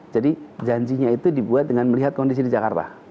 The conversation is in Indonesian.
jadi janjinya itu dibuat dengan melihat kondisi di jakarta